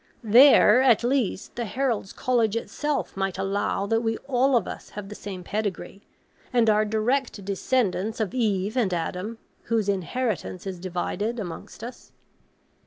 There, at least, the Heralds' College itself might allow that we all of us have the same pedigree, and are direct descendants of Eve and Adam, whose inheritance is divided amongst us.